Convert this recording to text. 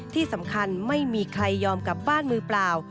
ที่สำคัญไม่มีใครยอมกลับบ้านมือเปล่า